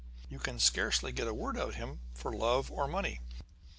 You can scarcely get a word out of him for love or money.